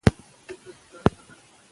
سرچینه تاییدول اړین دي.